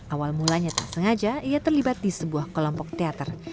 awal mulanya tak sengaja ia terlibat di sebuah kelompok teater